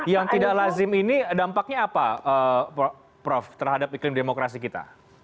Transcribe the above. yang tidak lazim ini dampaknya apa prof terhadap iklim demokrasi kita